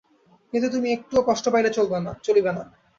কিন্তু তুমি একটুও কষ্ট পাইলে চলিবে না।